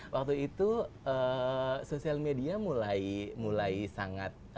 waktu itu sosial media mulai sangat